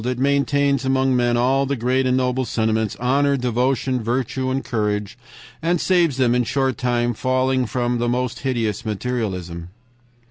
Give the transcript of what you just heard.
It maintains among men all the great and noble sentiments honor, devotion, virtue, and courage, and saves them in short from falling into the most hideous materialism.'